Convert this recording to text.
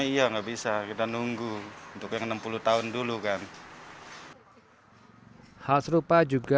iya nggak bisa kita nunggu untuk yang enam puluh tahun dulu kan hal serupa juga